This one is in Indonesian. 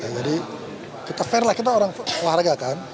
jadi kita fair lah kita orang olahraga kan